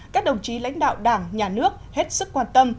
các đồng chí lãnh đạo đảng nhà nước hết sức quan tâm